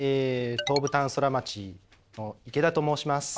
東武タウンソラマチの池田と申します。